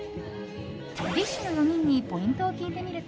ＤＩＳＨ／／の４人にポイントを聞いてみると。